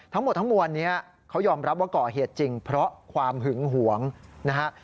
ทั้งหมดทั้งมวลนี้เขายอมรับว่าก่อเหตุจริงเพราะความหึงหวงนะฮะ